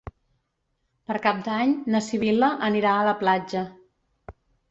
Per Cap d'Any na Sibil·la anirà a la platja.